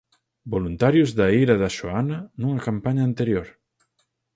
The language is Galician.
Voluntarios da Eira da Xoana nunha campaña anterior.